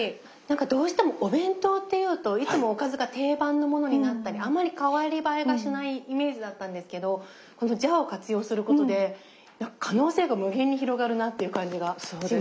どうしてもお弁当というといつもおかずが定番のものになったりあまり代わり映えがしないイメージだったんですけどこのジャーを活用することで可能性が無限に広がるなっていう感じがしました。